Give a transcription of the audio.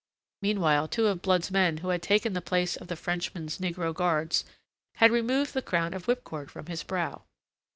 Meanwhile, two of Blood's men who had taken the place of the Frenchman's negro guards, had removed the crown of whipcord from his brow.